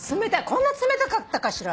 こんな冷たかったかしら？